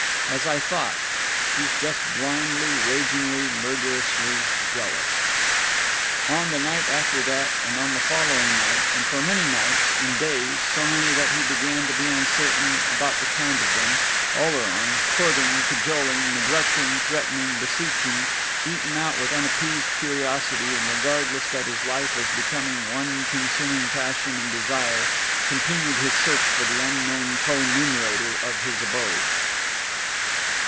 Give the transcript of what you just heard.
"As I thought.... She's just blindly, ragingly, murderously jealous." On the night after that, and on the following night, and for many nights and days, so many that he began to be uncertain about the count of them, Oleron, courting, cajoling, neglecting, threatening, beseeching, eaten out with unappeased curiosity and regardless that his life was becoming one consuming passion and desire, continued his search for the unknown co numerator of his abode.